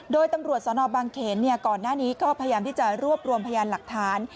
โดยตำรวจสนบางเขนก่อนหน้านี้ก็พยายามที่จะรวบรวมพยานหลักฐาน